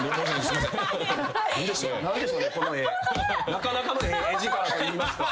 ・なかなかの絵力といいますか。